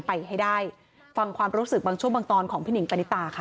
ไปให้ได้ฟังความรู้สึกบางช่วงบางตอนของพี่หนิงปณิตาค่ะ